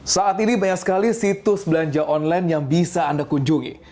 saat ini banyak sekali situs belanja online yang bisa anda kunjungi